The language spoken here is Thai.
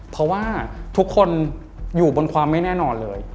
เพราะว่าทุกคนอยู่บนความไม่แน่นอนเลย